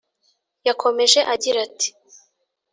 yakomeje agira ati